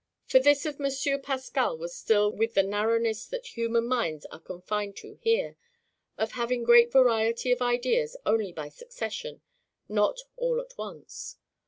For this of Monsieur Pascal was still with the narrowness that human minds are confined to here,—of having great variety of ideas only by succession, not all at once.